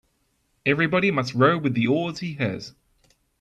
Everybody must row with the oars he has.